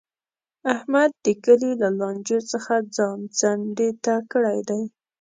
احمد د کلي له لانجو څخه ځان څنډې ته کړی دی.